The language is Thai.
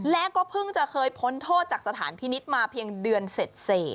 และก็เพิ่งจะเคยพ้นโทษจากสถานพินิษฐ์มาเพียงเดือนเสร็จ